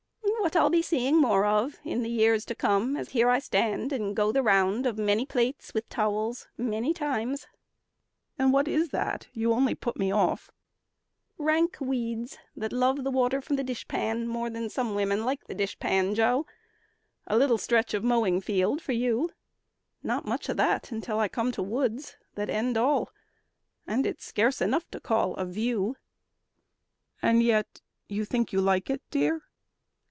"What I'll be seeing more of in the years To come as here I stand and go the round Of many plates with towels many times." "And what is that? You only put me off." "Rank weeds that love the water from the dish pan More than some women like the dish pan, Joe; A little stretch of mowing field for you; Not much of that until I come to woods That end all. And it's scarce enough to call A view." "And yet you think you like it, dear?"